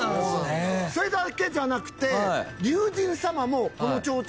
それだけじゃなくて。